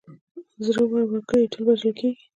زړه ور وګړي تل وژل کېږي.